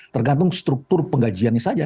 tergantung struktur penggajiannya saja